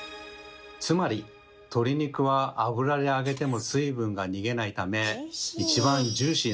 つまり鶏肉は油で揚げても水分が逃げないため一番ジューシーなんです。